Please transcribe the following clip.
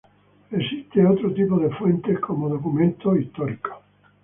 Existen otro tipo de fuentes como documentos históricos.